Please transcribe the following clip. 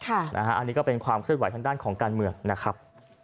อันนี้ก็เป็นความเคลื่อนไหวทางด้านของการเมืองนะครับ